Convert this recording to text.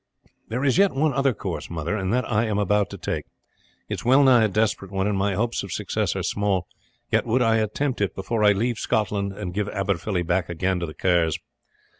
"There is yet one other course, mother, and that I am about to take; it is well nigh a desperate one, and my hopes of success are small, yet would I attempt it before I leave Scotland and give Aberfilly back again to the Kerrs.